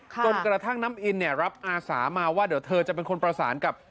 จนกระทั่งน้ำอินเนี่ยรับอาสามาว่าเดี๋ยวเธอจะเป็นคนประสานกับ